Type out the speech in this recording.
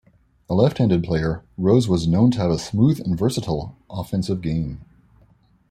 A left-handed player, Rose was known to have a smooth and versatile offensive game.